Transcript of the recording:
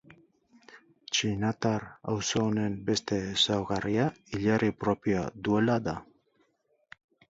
Txinatar auzo honen beste ezaugarria hilerri propioa duela da.